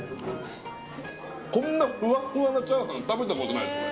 こんなふわふわなチャーハン食べたことないですね